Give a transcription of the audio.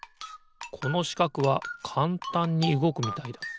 このしかくはかんたんにうごくみたいだ。